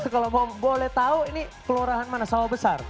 kalau boleh tahu ini kelurahan mana sawah besar